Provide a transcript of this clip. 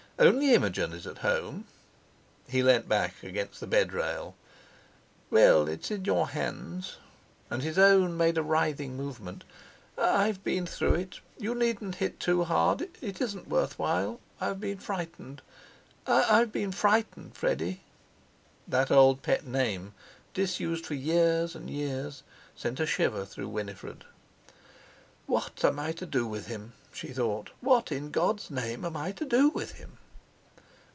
Only Imogen is at home." He leaned back against the bed rail. "Well, it's in your hands," and his own made a writhing movement. "I've been through it. You needn't hit too hard—it isn't worth while. I've been frightened; I've been frightened, Freddie." That old pet name, disused for years and years, sent a shiver through Winifred. "What am I to do with him?" she thought. "What in God's name am I to do with him?"